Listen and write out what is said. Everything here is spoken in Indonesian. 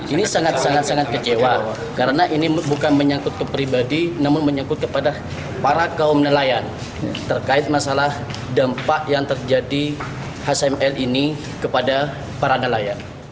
ini sangat sangat kecewa karena ini bukan menyangkut ke pribadi namun menyangkut kepada para kaum nelayan terkait masalah dampak yang terjadi hcml ini kepada para nelayan